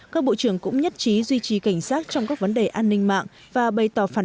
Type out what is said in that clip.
các bộ trưởng cũng nhất trí duy trì cảnh sát trong các vấn đề an ninh mạng và bày tỏ phản